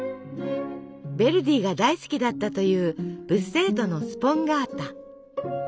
ヴェルディが大好きだったというブッセートのスポンガータ。